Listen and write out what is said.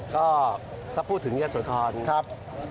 ก็ถ้าพูดถึงยศโทษธรณ์